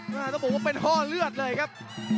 ต้องบอกว่าเป็นห้อเลือดเลยครับ